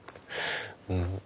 うん。